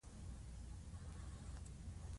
باران د افغانستان یو ډېر لوی طبعي ثروت دی.